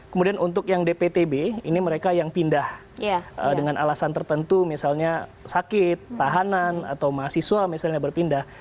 kemudian untuk yang dptb ini mereka yang pindah dengan alasan tertentu misalnya sakit tahanan atau mahasiswa misalnya berpindah